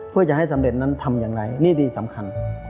เพื่อจะให้สำเร็จนั้นทำอย่างไรนี่ดีสำคัญ